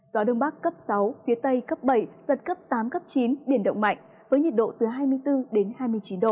gió đông bắc cấp sáu phía tây cấp bảy giật cấp tám cấp chín biển động mạnh với nhiệt độ từ hai mươi bốn đến hai mươi chín độ